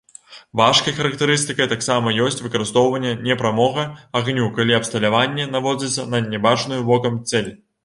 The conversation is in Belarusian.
Важкай характарыстыкай таксама ёсць выкарыстоўванне непрамога агню, калі абсталяванне наводзіцца на нябачную вокам цэль.